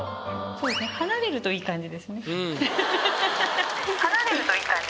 離れると良い感じですね。